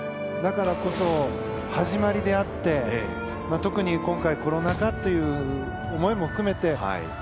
だからこそ始まりであって特に今回、コロナ禍という思いも含めて